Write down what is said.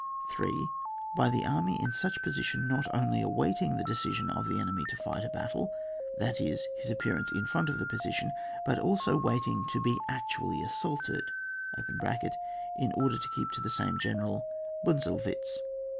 3. By the army in such position not only awaiting the decision of the enemy to fight a battle, that is his appearance in front of the position, but also waiting to be actually assaulted (in order to keep to the same generali Bunzelwitz).